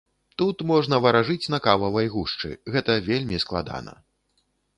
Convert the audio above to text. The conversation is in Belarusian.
Тут можна варажыць на кававай гушчы, гэта вельмі складана.